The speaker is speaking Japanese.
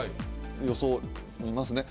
予想見ますね。